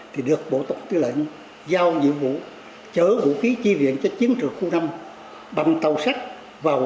thì được bộ tổng tư lệnh giao nhiệm vụ chở vũ khí chi viện cho chiến trường khu năm bằng tàu sắt vào